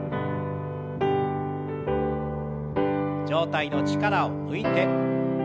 上体の力を抜いて。